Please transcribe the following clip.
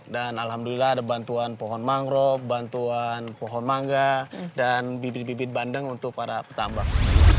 dan alhamdulillah ada bantuan pohon mangrove bantuan pohon mangga dan bibit bibit bandeng untuk para petambang